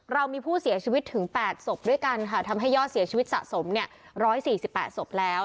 เรามีผู้เสียชีวิตถึง๘ศพด้วยกันค่ะทำให้ยอดเสียชีวิตสะสม๑๔๘ศพแล้ว